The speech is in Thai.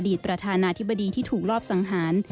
ประธานาธิบดีที่ถูกรอบสังหาร